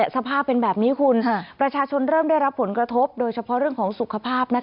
สภาพเป็นแบบนี้คุณประชาชนเริ่มได้รับผลกระทบโดยเฉพาะเรื่องของสุขภาพ